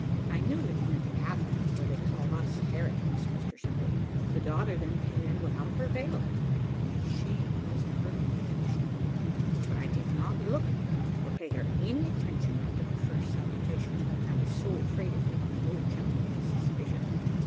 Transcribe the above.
I knew that he meant a Catholic, for they call us heretics, Mr Simple. The daughter then came in without her veil, and she was perfection: but I did not look at her, or pay her any attention after the first salutation, I was so afraid of making the old gentleman suspicious.